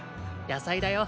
野菜だよ。